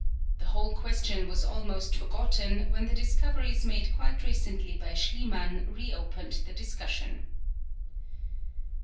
The whole question was almost forgotten, when the discoveries made quite recently by Schliemann reopened the discussion.